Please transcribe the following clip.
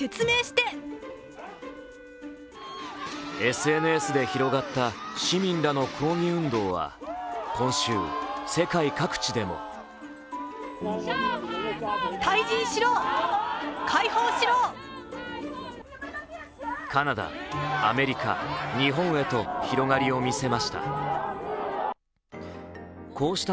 ＳＮＳで広がった市民らの抗議運動は今週、世界各地でもカナダ、アメリカ、日本へと広がりを見せました。